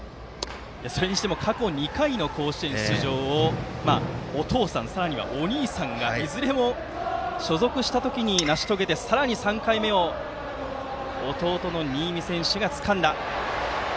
それにしても過去２回の甲子園出場をお父さん、さらにはお兄さんがいずれも所属した時に成し遂げてさらに３回目を弟の新美選手がつかんだ。